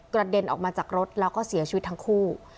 เด็นออกมาจากรถแล้วก็เสียชีวิตทั้งคู่